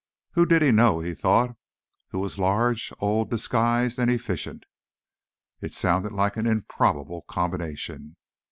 Who did he know, he thought, who was large, old, disguised and efficient? It sounded like an improbable combination.